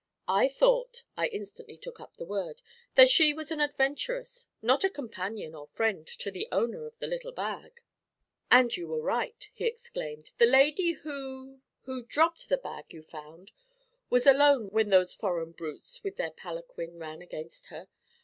'I thought,' I instantly took up the word, 'that she was an adventuress, not a companion or friend to the owner of the little bag.' 'And you were right,' he exclaimed. 'The lady who who dropped the bag you found was alone when those foreign brutes with their palanquin ran against her.